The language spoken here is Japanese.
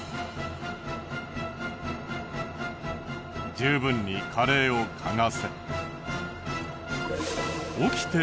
十分にカレーを嗅がせ。